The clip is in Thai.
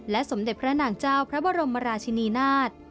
สมเด็จพระนางเจ้าพระบรมราชินีนาฏ